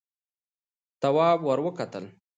تواب ور وکتل: